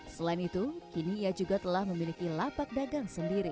selain itu kini ia juga telah memiliki lapak dagang sendiri